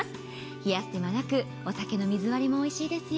冷やす手間なくお酒の水割りもおいしいですよ。